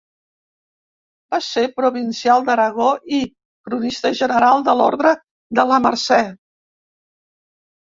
Va ser provincial d'Aragó i cronista general de l'orde de la Mercè.